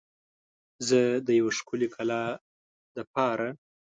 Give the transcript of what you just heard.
زه د یو ښکلی کلام دپاره